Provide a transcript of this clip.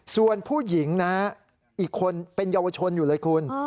ส่วนผู้หญิงนะอีกคนเป็นเยาวชนอยู่เลยคุณ